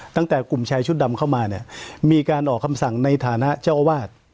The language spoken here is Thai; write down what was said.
ตั้งแต่กลุ่มชายชุดดำเข้ามาเนี่ยมีการออกคำสั่งในฐานะเจ้าอาวาส